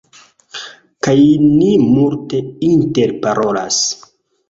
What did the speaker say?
Kaj ni multe interparolas